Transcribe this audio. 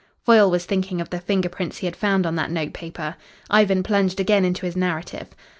Foyle was thinking of the finger prints he had found on that notepaper. Ivan plunged again into his narrative.